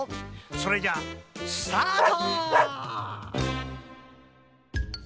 それじゃあスタート！